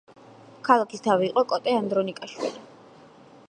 ქალაქის თავი იყო კოტე ანდრონიკაშვილი.